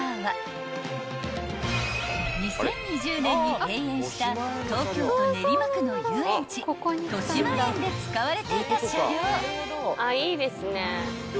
［２０２０年に閉園した東京都練馬区の遊園地としまえんで使われていた車両］